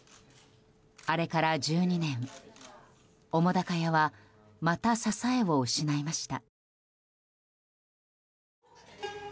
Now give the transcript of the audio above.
あれから１２年、澤瀉屋はまた支えを失いました。